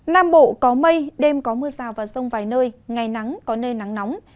nam bộ có mây đêm có mưa rào và rông vài nơi ngày nắng có nơi nắng nóng